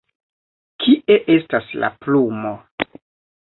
Kie estas la plumo?